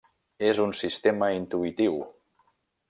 És un sistema intuïtiu.